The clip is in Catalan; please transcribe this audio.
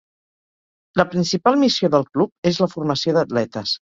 La principal missió del club és la formació d'atletes.